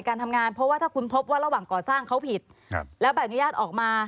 การทำงานเพราะว่าถ้าคุณพบว่าระหว่างก่อสร้างเขาผิดครับแล้วใบอนุญาตออกมา